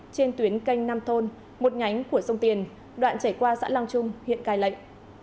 trên tuyến canh nam thôn một nhánh của sông tiền đoạn chảy qua xã long trung hiện cài lệnh